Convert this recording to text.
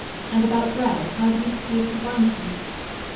"And about Grell? How do you propose to find him?"